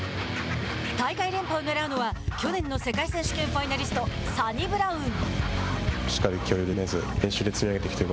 大会連覇をねらうのは去年の世界選手権ファイナリストサニブラウン。